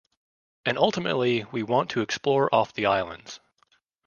And ultimately we want to explore off the islands.